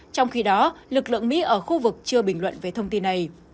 trong khi đó lực lượng mỹ ở khu vực chưa bình luận về thông tin này